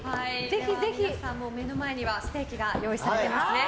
皆さん、目の前にはステーキが用意されてますね。